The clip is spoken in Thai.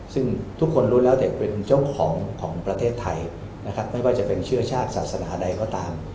ซึ่งทุกคนรู้แล้วแต่เป็นเจ้าของของประเทศไทยนะครับไม่ว่าจะเป็นเชื่อชาติศาสนาใดก็ตาม